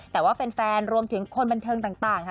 แต่ว่าแฟนรวมถึงคนบันเทิงต่างค่ะ